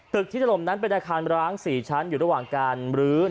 ที่ถล่มนั้นเป็นอาคารร้าง๔ชั้นอยู่ระหว่างการรื้อ